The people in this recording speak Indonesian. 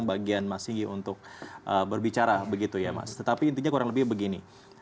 bagian mas sigi untuk berbicara begitu ya mas tetapi intinya kurang lebih begini